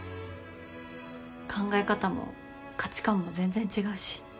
考え方も価値観も全然違うし。